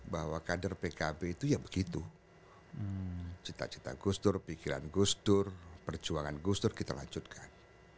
bahwa kader pkb itu ya begitu cita cita gus dur pikiran gus dur perjuangan gus dur kita lanjutkan